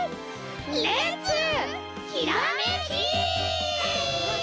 レッツひらめき！